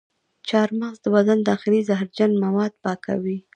چارمغز د بدن داخلي زهرجن مواد پاکوي.